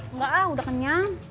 enggak udah kenyang